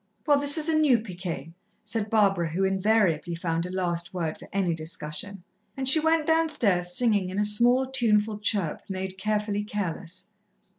"Well, this is a new piqué," said Barbara, who invariably found a last word for any discussion, and she went downstairs singing in a small, tuneful chirp made carefully careless.